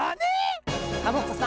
⁉サボ子さん